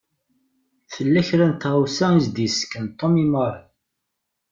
Tella kra n tɣawsa i s-d-isken Tom i Mary.